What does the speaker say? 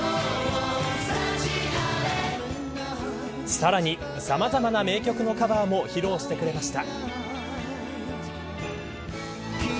さらにさまざまな名曲のカバーも披露してくれました。